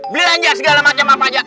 beli aja segala macam apa aja